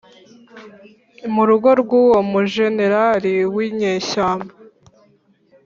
mu rugo rw'uwo mujenerali w'inyeshyamba.